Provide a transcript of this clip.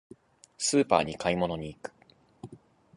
スーパーに買い物に行く。